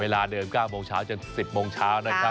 เวลาเดิม๙โมงเช้าจน๑๐โมงเช้านะครับ